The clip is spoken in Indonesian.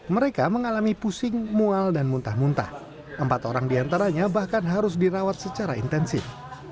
mereka mengalami pusing mual dan muntah muntah empat orang diantaranya bahkan harus dirawat secara intensif